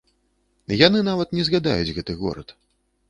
Яны нават не згадаюць гэты горад.